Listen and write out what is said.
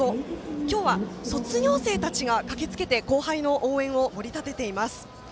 今日は卒業生たちが駆けつけて後輩の応援を盛り立てています。